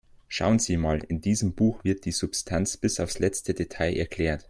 Schauen Sie mal, in diesem Buch wird die Substanz bis aufs letzte Detail erklärt.